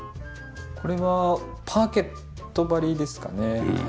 これはパーケット張りですかね。